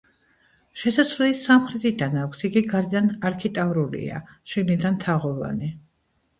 შესასვლელი სამხრეთიდან აქვს, იგი გარედან არქიტრავულია, შიგნიდან თაღოვანი.